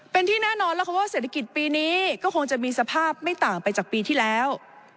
เป็นที่แน่นอนแล้วค่ะว่าเศรษฐกิจปีนี้ก็คงจะมีสภาพไม่ต่างไปจากปีที่แล้ว